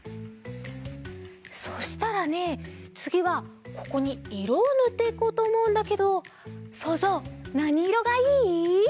そしたらねつぎはここにいろをぬっていこうとおもうんだけどそうぞうなにいろがいい？